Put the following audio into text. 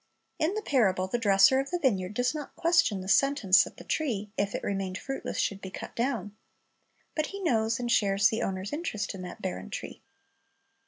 In the parable the dresser of the vineyard does not ques tion the sentence that the tree, if it remained fruitless, should be cut down; but he knows and shares the owner's interest in that barren tree.